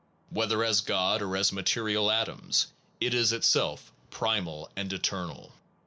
Whether as God or as material atoms, it is itself primal and eternal.